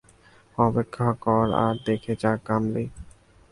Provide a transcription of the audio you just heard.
অপেক্ষা কর আর দেখে যা, কামলি।